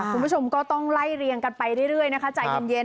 คุณผู้ชมก็ต้องไล่เรียงกันไปเรื่อยนะคะใจเย็น